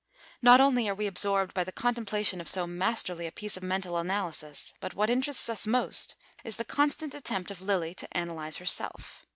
Not only are we absorbed by the contemplation of so masterly a piece of mental analysis, but what interests us most is the constant attempt of Lilly to analyse herself.